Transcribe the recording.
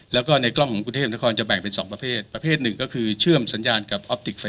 แล้วก็ในกล้องของกรุงเทพนครจะแบ่งเป็น๒ประเภทประเภทหนึ่งก็คือเชื่อมสัญญาณกับออฟติก